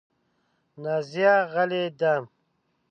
نازیه غلې ده .